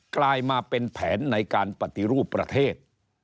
กลายมาเป็นแผนในการปฏิรูปประเทศ